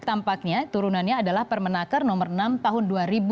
tampaknya turunannya adalah permenangkar nomor enam tahun dua ribu enam belas